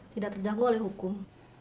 tidak terjangkau oleh hukum